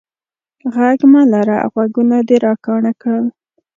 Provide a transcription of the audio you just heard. ږغ مه لره، غوږونه دي را کاڼه کړل.